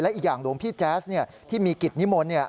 อีกอย่างหลวงพี่แจ๊สที่มีกิจนิมนต์